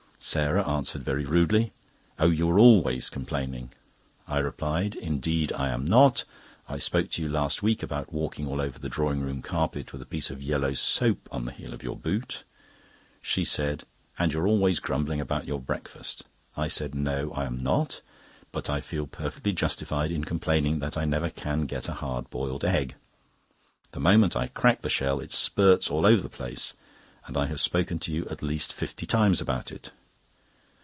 Sarah answered very rudely: "Oh, you are always complaining." I replied: "Indeed, I am not. I spoke to you last week about walking all over the drawing room carpet with a piece of yellow soap on the heel of your boot." She said: "And you're always grumbling about your breakfast." I said: "No, I am not; but I feel perfectly justified in complaining that I never can get a hard boiled egg. The moment I crack the shell it spurts all over the plate, and I have spoken to you at least fifty times about it."